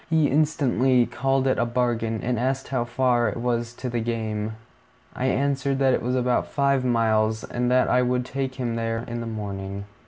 He instantly called it a bargain, and asked how far it was to the game. I answered that it was about five miles, and that I would take him there in the morning.